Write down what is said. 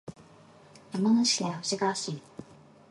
山梨県富士川町